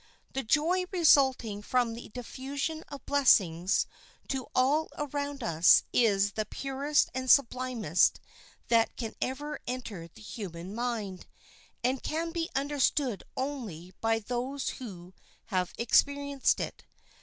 The joy resulting from the diffusion of blessings to all around us is the purest and sublimest that can ever enter the human mind, and can be understood only by those who have experienced it.